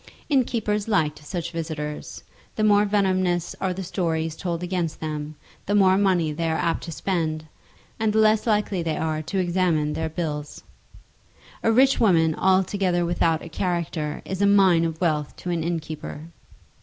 Innkeepers like such visitors. The more venomous are the stories told against them, the more money are they apt to spend, and the less likely are they to examine their bills. A rich woman altogether without a character is a mine of wealth to an innkeeper.